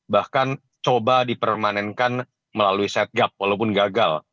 bahkan coba dipermanenkan melalui setgap walaupun gagal